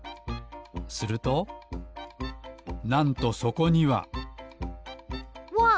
するとなんとそこにはわっ！